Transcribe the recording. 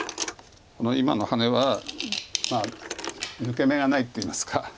この今のハネは抜け目がないといいますか。